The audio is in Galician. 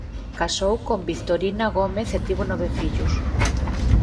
Casou con Victorina Gómez e tivo nove fillos.